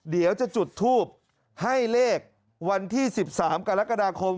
เดี๋ยวจะจุดทูบให้เลขวันที่๑๓กรกฎาคม